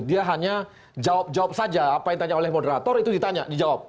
dia hanya jawab jawab saja apa yang ditanya oleh moderator itu ditanya dijawab